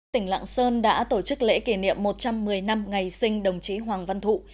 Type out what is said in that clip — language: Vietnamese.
tỉnh lạng sơn đã tổ chức lễ kỷ niệm một trăm một mươi năm ngày sinh đồng chí hoàng văn thụ